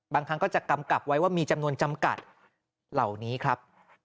บางครั้งก็จะกำกับไว้ว่ามีจำนวนจำกัดเหล่านี้ครับ